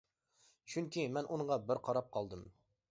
چۈنكى مەن ئۇنىڭغا بىر قاراپ قالدىم.